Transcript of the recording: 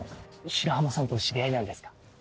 白浜さんとお知り合いなんですか？